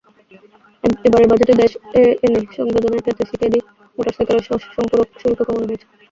এবারের বাজেটে দেশে এনে সংযোজনের ক্ষেত্রে সিকেডি মোটরসাইকেলের সম্পূরক শুল্ক কমানো হয়েছে।